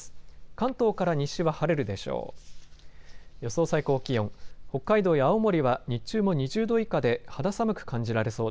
関東から西は晴れるでしょう。